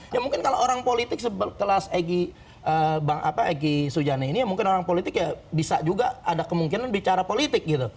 ya mungkin kalau orang politik sekelas egy sujana ini ya mungkin orang politik ya bisa juga ada kemungkinan bicara politik gitu